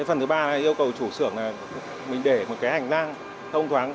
phần thứ ba yêu cầu chủ sưởng là mình để một cái hành lang thông thoáng